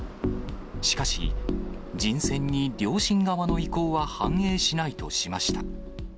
しかし、人選に両親側の意向は反映しないとしました。